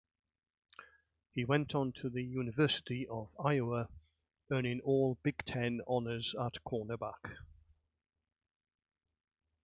He went on to the University of Iowa, earning all-Big Ten honors at cornerback.